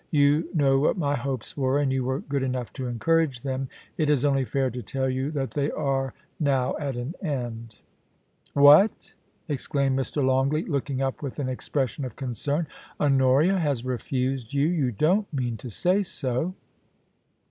You know what my hopes were, and you were good enough to encourage them. It is only fair to tell you that they are now at an end' * What r exclaimed Mr. Longleat, looking up with an ex pression of concern. * Honoria has refused you ! You don't mean to say so